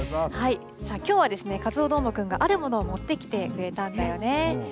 きょうはカツオどーもくんがあるものを持ってきてくれたんだよね。